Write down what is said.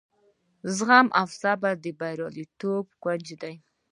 زغم او صبر د بریالیتوب کونجۍ ده.